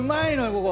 ここ。